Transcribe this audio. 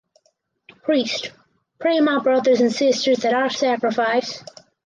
Priest: Pray, my brothers and sisters, that our sacrifice